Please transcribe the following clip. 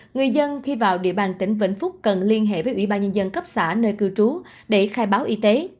người dân khi vào địa bàn tỉnh vĩnh phúc cần liên hệ với ủy ban nhân dân cấp xã nơi cư trú để khai báo y tế